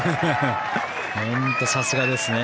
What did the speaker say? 本当にさすがですね